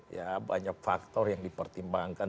ya banyak faktor yang dipertimbangkan